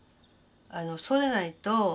そうでないと。